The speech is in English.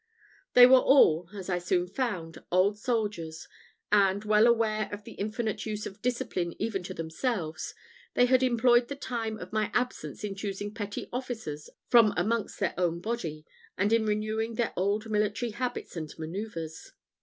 They were all, as I soon found, old soldiers; and, well aware of the infinite use of discipline even to themselves, they had employed the time of my absence in choosing petty officers from amongst their own body, and in renewing their old military habits and man[oe]uvres.